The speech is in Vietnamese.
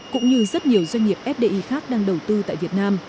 cũng như rất nhiều doanh nghiệp fdi khác đang đầu tư tại việt nam